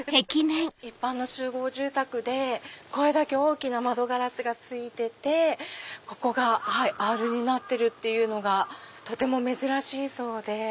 一般の集合住宅でこれだけ大きな窓ガラスがついててここがアールになってるのがとても珍しいそうで。